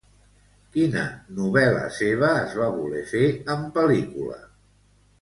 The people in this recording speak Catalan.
Quina novel·la seva es va voler fer en pel·lícula?